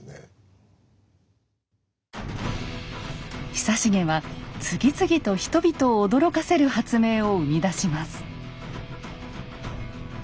久重は次々と人々を驚かせる発明を生み出します。